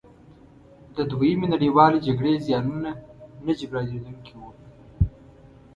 د دویمې نړیوالې جګړې زیانونه نه جبرانیدونکي وو.